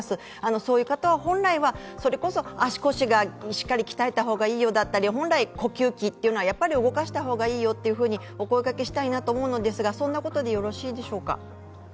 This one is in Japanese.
そういう方は本来はそれこそ足腰をしっかり鍛えた方がいいよだったり、本来呼吸器というのは動かした方がいいよとお声掛けをしたいんですがそんなことでよろしいでしょうか？